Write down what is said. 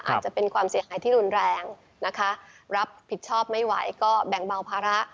อาจจะเป็นความเสียหายที่รุนแรงนะคะรับผิดชอบไม่ไหวก็แบ่งเบาภาระ